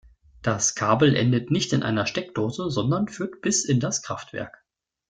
Das Kabel endet nicht in einer Steckdose, sondern führt bis in das Kraftwerk.